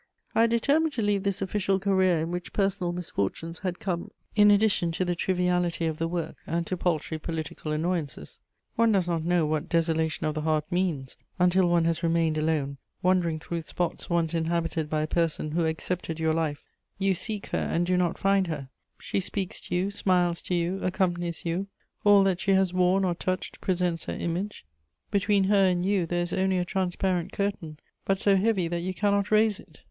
] I had determined to leave this official career in which personal misfortunes had come in addition to the triviality of the work and to paltry political annoyances. One does not know what desolation of the heart means until one has remained alone, wandering through spots once inhabited by a person who accepted your life: you seek her and do not find her; she speaks to you, smiles to you, accompanies you; all that she has worn or touched presents her image; between her and you there is only a transparent curtain, but so heavy that you cannot raise it.